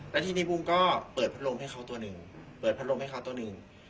แล้วทีนี้บูมก็เปิดพัดลมให้เขาตัวหนึ่งเปิดพัดลมให้เขาตัวหนึ่ง